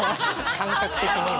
感覚的には。